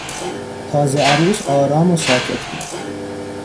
تازه عروس آرام و ساکت بود.